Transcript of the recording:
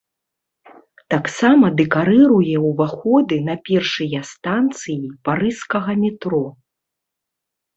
Таксама дэкарыруе ўваходы на першыя станцыі парыжскага метро.